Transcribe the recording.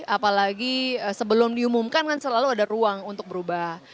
apalagi sebelum diumumkan kan selalu ada ruang untuk berubah